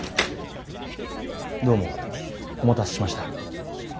どうもお待たせしました。